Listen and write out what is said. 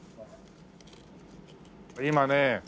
今ね